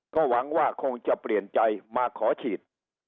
ก็หวังว่าคงจะเปลี่ยนใจมาขอฉีด